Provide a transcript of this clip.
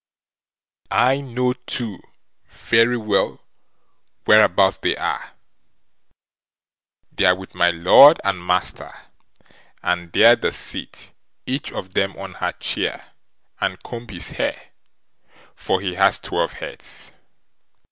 I know, too, very well whereabouts they are; they're with my lord and master, and there they sit, each of them on her chair, and comb his hair; for he has twelve heads.